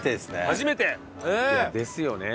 初めて？ですよね。